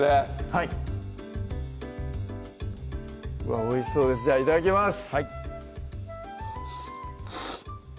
はいおいしそうですじゃあいただきます